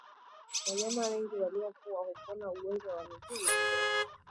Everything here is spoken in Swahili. Wanyama wengi waliokua hupona ugonjwa wa miguu na midomo